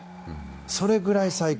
それくらい最強。